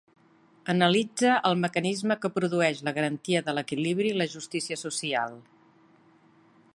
Analitze el mecanisme que produeix la garantia de l’equilibri i la justícia social.